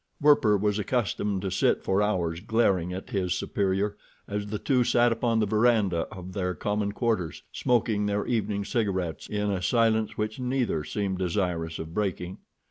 Werper was accustomed to sit for hours glaring at his superior as the two sat upon the veranda of their common quarters, smoking their evening cigarets in a silence which neither seemed desirous of breaking.